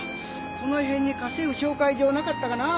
この辺に家政婦紹介所なかったかなぁ？